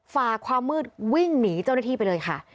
ฝ่าความมืดวิ่งหนีเจ้าหน้าที่ไปเลยค่ะ